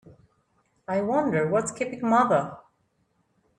I wonder what's keeping mother?